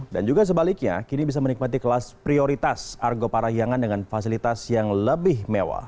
dan juga sebaliknya kini bisa menikmati kelas prioritas argo parahyangan dengan fasilitas yang lebih mewah